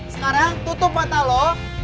sekarang tutup mata lo